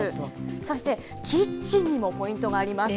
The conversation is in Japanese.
そして、キッチンにもポイントがあります。